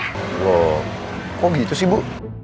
kok gitu sih bu